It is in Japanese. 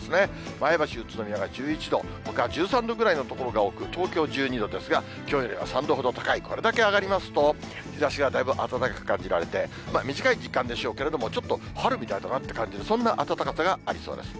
前橋、宇都宮が１１度、ほか１３度ぐらいの所が多く、東京１２度ですが、きょうよりは３度ほど高い、これだけ上がりますと、日ざしがだいぶ暖かく感じられて、短い時間でしょうけれども、ちょっと春みたいだなって感じる、そんな暖かさがありそうです。